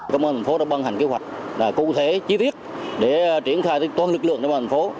công an thành phố đã băng hành kế hoạch cụ thể chi tiết để triển khai toàn lực lượng công an thành phố